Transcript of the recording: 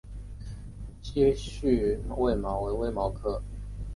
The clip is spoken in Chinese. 稀序卫矛为卫矛科卫矛属下的一个种。